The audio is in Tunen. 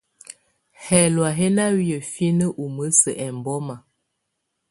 Hɛlɔ̀á hɛ́ ná wɛya ǝ́finǝ́ ú mǝ́ǝ́sǝ́ ɛmbɔma.